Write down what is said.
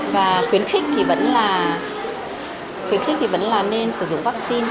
và khuyến khích thì vẫn là nên sử dụng vaccine